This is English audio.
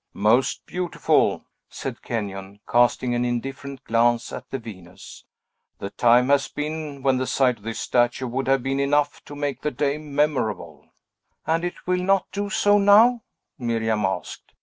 "Most beautiful," said Kenyon, casting an indifferent glance at the Venus. "The time has been when the sight of this statue would have been enough to make the day memorable." "And will it not do so now?" Miriam asked.